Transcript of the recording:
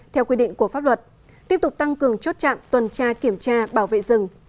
theo quy định của pháp luật tiếp tục tăng cường chốt chặn tuần tra kiểm tra bảo vệ rừng